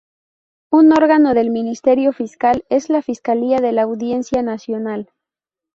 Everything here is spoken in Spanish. Un órgano del Ministerio Fiscal es la "Fiscalía de la Audiencia Nacional".